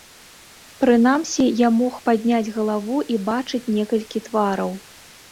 Прынамсі, я мог падняць галаву і бачыць некалькі твараў.